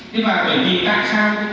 thế và bởi vì tại sao